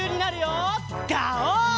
ガオー！